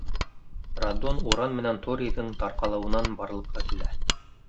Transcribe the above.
Радон уран менән торийҙың тарҡалыуынан барлыҡҡа килә.